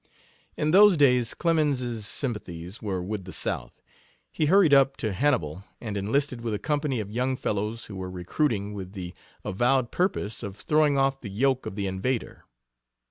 In those days Clemens's sympathies were with the South. He hurried up to Hannibal and enlisted with a company of young fellows who were recruiting with the avowed purpose of "throwing off the yoke of the invader."